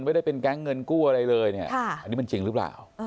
ไม่ได้เป็นแก๊งเงินกู้อะไรเลยเนี่ยอันนี้มันจริงหรือเปล่า